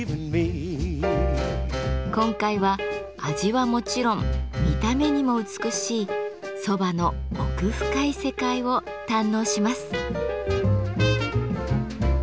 今回は味はもちろん見た目にも美しい蕎麦の奥深い世界を堪能します。